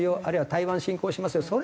あるいは台湾侵攻しますよ。